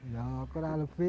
ya kurang lebih